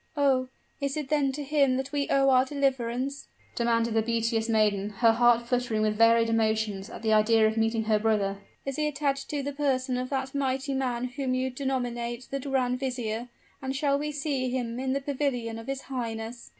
"Oh! is it then to him that we owe our deliverance?" demanded the beauteous maiden, her heart fluttering with varied emotions at the idea of meeting her brother. "Is he attached to the person of that mighty man whom you denominate the grand vizier? and shall we see him in the pavilion of his highness?"